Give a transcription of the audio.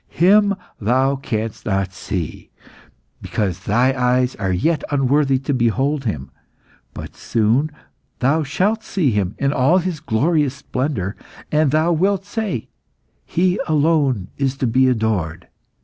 Him thou canst not see, because thy eyes are yet unworthy to behold Him; but soon thou shalt see Him in all His glorious splendour, and thou wilt say, 'He alone is to be adored.